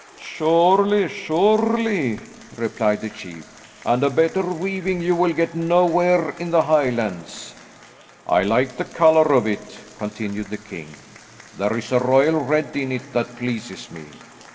"Surely, surely," replied the chief, "and a better weaving you will get nowhere in the Highlands." "I like the colour of it," continued the king. "There is a royal red in it that pleases me.